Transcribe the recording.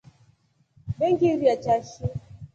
Vengiriachashi.